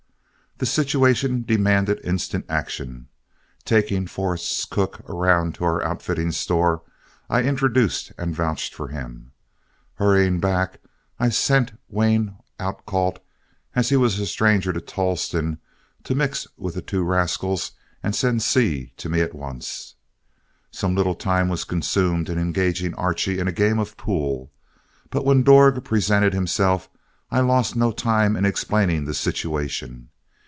The situation demanded instant action. Taking Forrest's cook around to our outfitting store, I introduced and vouched for him. Hurrying back, I sent Wayne Outcault, as he was a stranger to Tolleston, to mix with the two rascals and send Seay to me at once. Some little time was consumed in engaging Archie in a game of pool, but when Dorg presented himself I lost no time in explaining the situation.